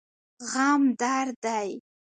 غم درد دی.